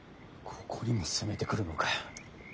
ここにも攻めてくるのか。